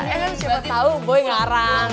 eh kan siapa tahu boy ngarang